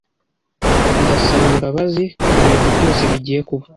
Ndasaba imbabazi kubintu byose bigiye kuba.